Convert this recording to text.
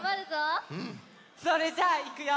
それじゃあいくよ！